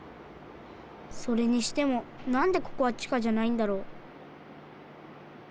それにしてもなんでここは地下じゃないんだろう？